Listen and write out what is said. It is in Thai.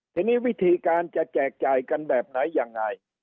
ทีนี้วิธีการจะแจกจ่ายกันแบบไหนยังไง